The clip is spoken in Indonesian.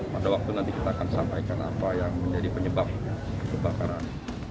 pada waktu nanti kita akan sampaikan apa yang menjadi penyebab kebakaran